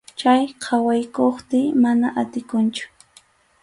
Chay qhawaykuptiy mana atikunchu.